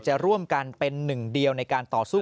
จะร่วมกันเป็นหนึ่งเดียวในการต่อสู้